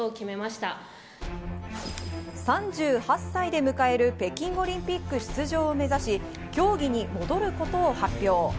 ３８歳で迎える北京オリンピック出場を目指し、競技に戻ることを発表。